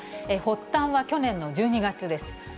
発端は去年の１２月です。